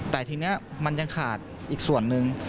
แต่ทีนี้มันยังขาดอีกส่วนหนึ่ง